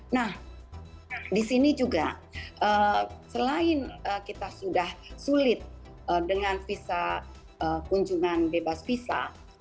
nah di sini juga selain kita sudah sulit dengan visa kunjungan bebas visa